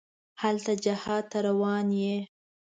هلته جهاد ته روان یې.